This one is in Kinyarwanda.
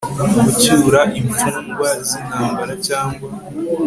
gucyura imfungwa z intambara cyangwa